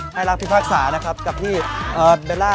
ให้รักพีคภาคสานะครับกับพี่เบลล่า